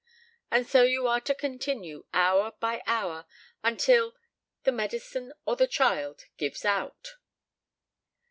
And so you are to continue hour by hour, until either the medicine or the child gives out."